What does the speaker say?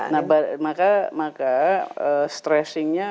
nah maka stressingnya